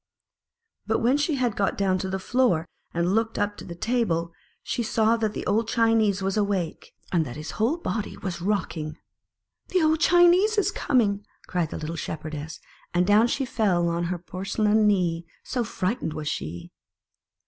But when she had got down on the floor, and looked up to the table, she saw that no tire >$ the old Chinese was awake, and that his whole body was rocking. " The old Chinese is coming !" cried the little Shepherdess; and down she fell on her porcelain knee, so frightened was she.